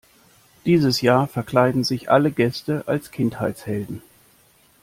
Dieses Jahr verkleiden sich alle Gäste als Kindheitshelden.